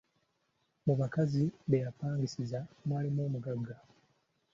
Mu bakazi be yapangisizanga mwalimu omugagga.